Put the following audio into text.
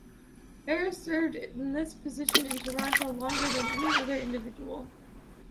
Harris served in this position in Toronto longer than any other individual.